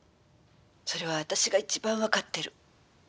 それは私が一番分かってる。